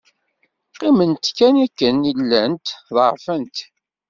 Qqiment kan akken i llant, ḍeɛfent.